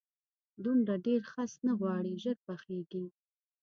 دومره ډېر خس نه غواړي، ژر پخېږي.